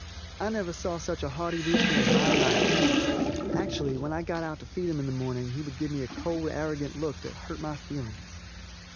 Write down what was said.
I never saw such a haughty rooster in my life. Actually, when I got out to feed him in the morning he would give me a cold, arrogant look that hurt my feelings.